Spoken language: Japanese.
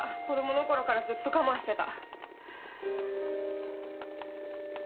子供の頃からずっと我慢してた。